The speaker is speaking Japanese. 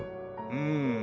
うん。